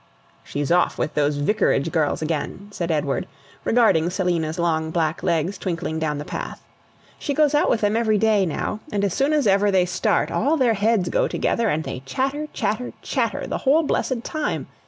"She's off with those Vicarage girls again," said Edward, regarding Selina's long black legs twinkling down the path. "She goes out with them every day now; and as soon as ever they start, all their heads go together and they chatter, chatter, chatter the whole blessed time!